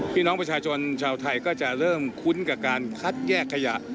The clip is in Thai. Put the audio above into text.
พี่น้องประชาชนชาวไทยก็จะเริ่มคุ้นกับการคัดแยกขยะ